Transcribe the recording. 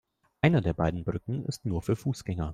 Eine der beiden Brücken ist nur für Fußgänger.